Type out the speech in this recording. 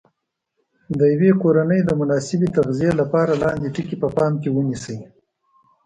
د یوې کورنۍ د مناسبې تغذیې لپاره لاندې ټکي په پام کې ونیسئ.